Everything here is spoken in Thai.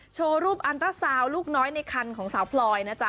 โชว์รูปอันตราซาวลูกน้อยในคันของสาวพลอยนะจ๊ะ